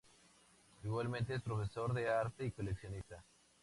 Igualmente es profesor de arte y coleccionista.